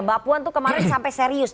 mbak puan tuh kemarin sampai serius